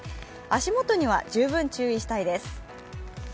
足元には十分注意したいです。